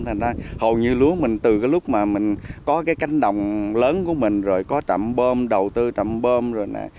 thành ra hầu như lúa mình từ cái lúc mà mình có cái cánh đồng lớn của mình rồi có trạm bơm đầu tư trạm bơm rồi nè